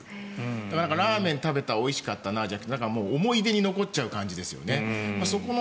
だから、ラーメンを食べたおいしかったなじゃなくて思い出に残っちゃう感じですよね。